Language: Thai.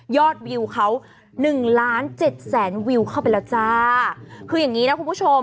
วิวเขาหนึ่งล้านเจ็ดแสนวิวเข้าไปแล้วจ้าคืออย่างงี้นะคุณผู้ชม